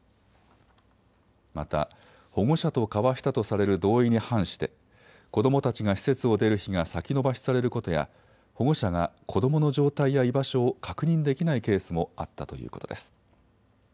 また保護者と交わしたとされる同意に反して子どもたちが施設を出る日が先延ばしされることや保護者が子どもの状態や居場所を確認できないケースもあったということです。